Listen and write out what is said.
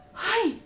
はい？